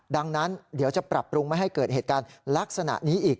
ดังนั้นเดี๋ยวจะปรับปรุงไม่ให้เกิดเหตุการณ์ลักษณะนี้อีก